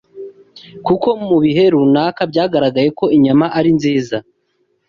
kuko mu bihe runaka byagaragaye ko inyama ari nziza